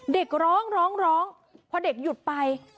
เด็กร้องร้องพอเด็กหยุดไป